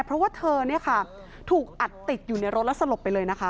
เพราะว่าเธอเนี่ยค่ะถูกอัดติดอยู่ในรถแล้วสลบไปเลยนะคะ